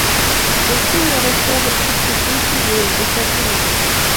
Le film reçoit des critiques mitigées aux États-Unis.